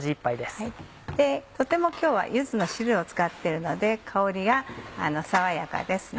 とても今日は柚子の汁を使っているので香りが爽やかです。